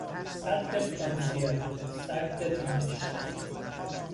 سد پتانسیل، سد تانش